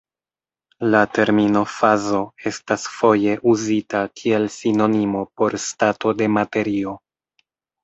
La termino fazo estas foje uzita kiel sinonimo por stato de materio.